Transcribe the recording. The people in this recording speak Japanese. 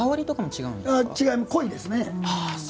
違います、濃いですね。